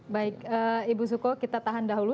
baik ibu suko kita tahan dahulu